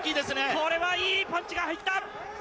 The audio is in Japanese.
これはいいパンチが入った。